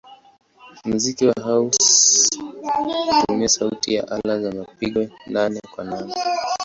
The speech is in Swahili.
Muziki wa house hutumia sauti ya ala za mapigo nane-kwa-nane.